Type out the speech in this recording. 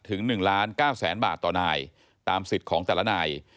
ถึง๑ล้าน๙แสนบาทต่อนายตามสิทธิ์ของแต่ละนาย